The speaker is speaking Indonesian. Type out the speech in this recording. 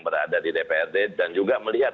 berada di dprd dan juga melihat